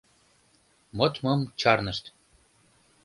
Модмым чарнышт.